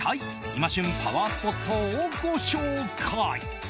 今旬パワースポットをご紹介！